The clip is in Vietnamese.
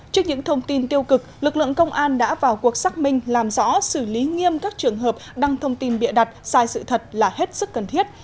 trước những thông tin tiêu cực lực lượng công an đã vào cuộc xác minh làm rõ xử lý nghiêm các trường hợp đăng thông tin bịa đặt sai sự thật là hết sức cần thiết